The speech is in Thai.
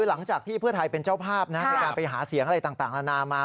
หลังจากที่เพื่อไทยเป็นเจ้าภาพในการไปหาเสียงอะไรต่างนานามา